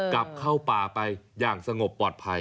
กลับเข้าป่าไปอย่างสงบปลอดภัย